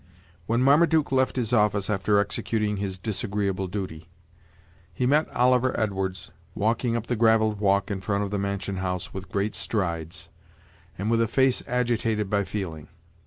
When Marmaduke left his office after executing his disagreeable duty, he met Oliver Edwards, walking up the gravelled walk in front of the mansion house with great strides, and with a face agitated by feeling.